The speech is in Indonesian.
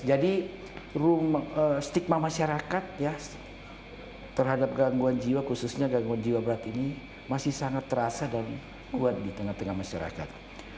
jadi stigma masyarakat ya terhadap gangguan jiwa khususnya gangguan jiwa berat ini masih sangat terasa dan kuat di tengah tengah masyarakat